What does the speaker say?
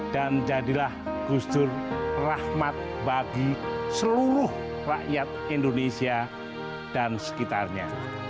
dan jadilah gustur rahmat bagi seluruh rakyat indonesia dan sekitarnya